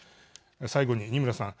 最後に二村さん。